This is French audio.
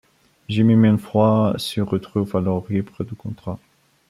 Jimmy Mainfroi se retrouve alors libre de contrat.